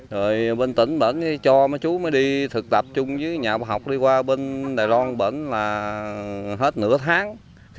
rồi bên tỉnh bệnh cho chú mới đi thực tập chung với nhà bà học đi qua bên đài loan bệnh là hết nửa tháng